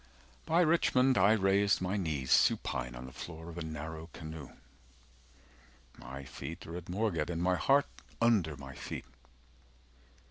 By Richmond I raised my knees Supine on the floor of a narrow canoe." 295 "My feet are at Moorgate, and my heart Under my feet.